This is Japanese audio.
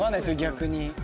逆に。